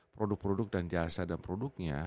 produk produk dan jasa dan produknya